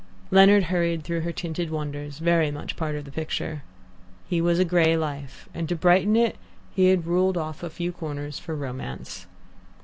Leonard hurried through her tinted wonders, very much part of the picture. His was a grey life, and to brighten it he had ruled off a few corners for romance.